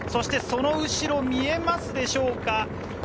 その後ろ、見えますでしょうか？